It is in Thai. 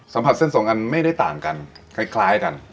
ผัดเส้นสองอันไม่ได้ต่างกันคล้ายกัน